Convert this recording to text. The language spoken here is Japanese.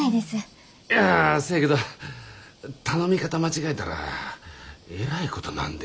いやせやけど頼み方間違えたらえらいことなんで？